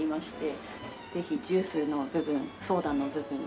ぜひジュースの部分ソーダの部分を。